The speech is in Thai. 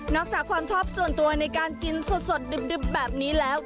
จากความชอบส่วนตัวในการกินสดดึบแบบนี้แล้ว